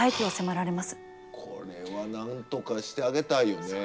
これはなんとかしてあげたいよね。